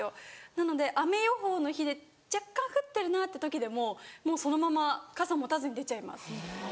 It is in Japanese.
なので雨予報の日で若干降ってるなって時でももうそのまま傘持たずに出ちゃいます。